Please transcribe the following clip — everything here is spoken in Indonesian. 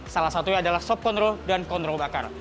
salah satunya adalah shop kondro dan kondro bakar